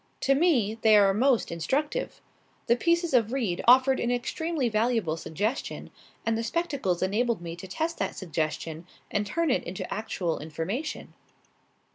To me they are most instructive. The pieces of reed offered an extremely valuable suggestion, and the spectacles enabled me to test that suggestion and turn it into actual information."